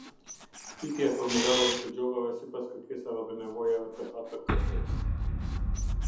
Shtypja e formularëve të gjobave sipas kërkesave dhe nevojave të atk-së